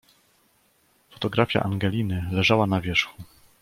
"Fotografia Angeliny leżała na wierzchu."